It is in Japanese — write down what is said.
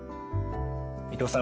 伊藤さん